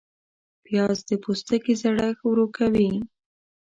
پیاز د پوستکي زړښت ورو کوي